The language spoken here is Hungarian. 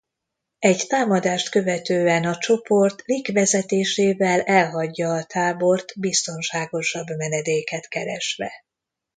Egy támadást követően a csoport Rick vezetésével elhagyja a tábort biztonságosabb menedéket keresve.